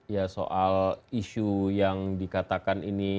ya soal isu yang dikatakan ini